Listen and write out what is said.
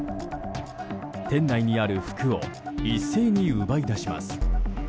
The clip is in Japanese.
店内にある服を一斉に奪い出します。